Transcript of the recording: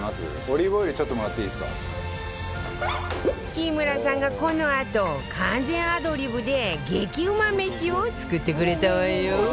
木村さんがこのあと完全アドリブで激うま飯を作ってくれたわよ